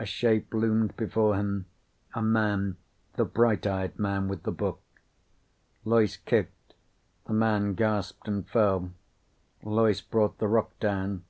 A shape loomed before him. A man, the bright eyed man with the book. Loyce kicked. The man gasped and fell. Loyce brought the rock down.